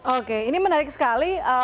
oke ini menarik sekali